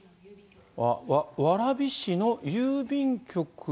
蕨市の郵便局？